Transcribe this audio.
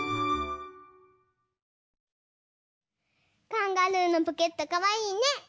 カンガルーのポケットかわいいね。